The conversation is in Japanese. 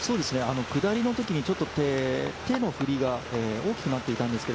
下りのとき腕の振りが大きくなっていたんですが。